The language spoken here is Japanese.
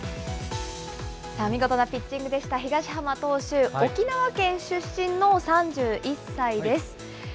さあ、見事なピッチングでした、東浜投手、沖縄県出身の３１歳です。